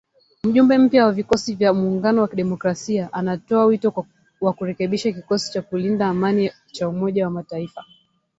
Mjumbe mpya wa Vikosi vya Muungano wa Kidemokrasia anatoa wito wa kurekebishwa kikosi cha kulinda amani cha Umoja wa Mataifa.